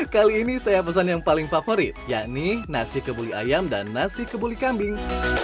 kali ini saya pesan yang paling favorit yakni nasi kebuli ayam dan nasi kebuli kambing